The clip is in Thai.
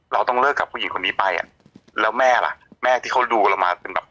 เราต้องเลิกกับผู้หญิงคนนี้ไปอ่ะแล้วแม่ล่ะแม่ที่เขาดูเรามาเป็นแบบ